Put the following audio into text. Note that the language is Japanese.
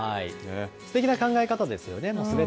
すてきな考え方ですよね。